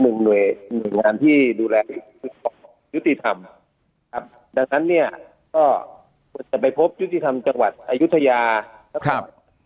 ประจำทวงนิเวกิงานที่ดูแลยุติธรรมครับครับนั้นเนี่ยก็จะไปพบยุทิธรรมจังหวัดอายุทยาครับ